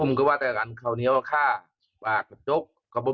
อุ้มก็ว่าแต่ละกันเกร็งเข้าเหนียวอร่อยข้าก็สุดก่อนก็จบไไดก้กันเนาะ